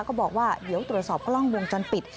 ก็บอกว่าเดี๋ยวตรวจสอบกล้องวงจรปิด